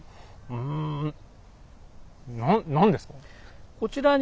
うんな何ですか？